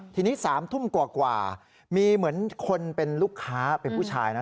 ทีนี้๓ทุ่มกว่ามีเหมือนคนเป็นลูกค้าเป็นผู้ชายนะ